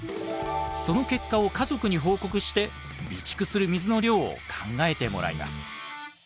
その結果を家族に報告して備蓄する水の量を考えてもらいます。